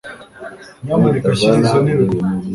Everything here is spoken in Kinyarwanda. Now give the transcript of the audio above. nyamuneka shyira izo ntebe kure